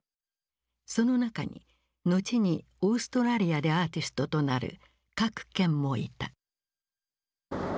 その中に後にオーストラリアでアーティストとなる郭健もいた。